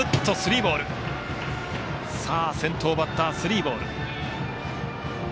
先頭バッタースリーボール。